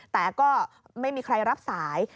แต่ก็ไม่มีใครรับสาย